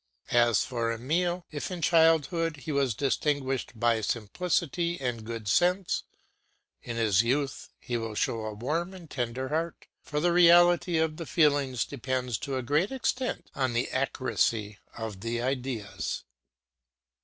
As for Emile, if in childhood he was distinguished by simplicity and good sense, in his youth he will show a warm and tender heart; for the reality of the feelings depends to a great extent on the accuracy of the ideas.